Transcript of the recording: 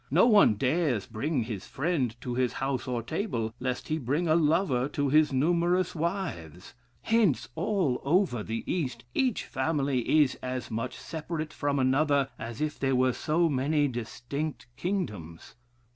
No one dares bring his friend to his house or table, lest he bring a lover to his numerous wives. Hence, all over the East, each family is as much separate from another as if they were so many distinct kingdoms.